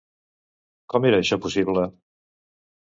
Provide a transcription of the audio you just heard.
Com era això possible?